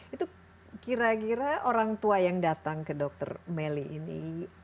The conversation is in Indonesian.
itu kira kira orang tua yang datang ke dokter melly ini